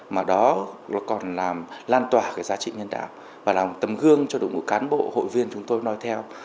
mà đó nó còn làm lan tỏa cái giá trị nhân đạo và là một tầm gương cho đội ngũ cán bộ hội viên chúng tôi nói theo